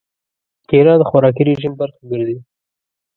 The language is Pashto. کېله د خوراکي رژیم برخه ګرځي.